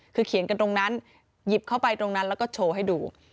คือเขียนกันตรงนั้นหยิบเข้าไปตรงนั้นแล้วก็โชว์ให้ดู